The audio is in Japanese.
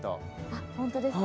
あっ本当ですか。